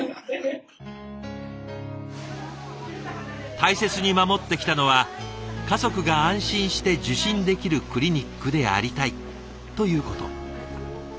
大切に守ってきたのは「家族が安心して受診できるクリニックでありたい」ということ。